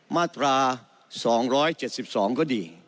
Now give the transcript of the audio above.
มาตรา๒๗๒ก็ดี